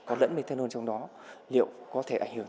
có lẫn methanol trong đó liệu có thể ảnh hưởng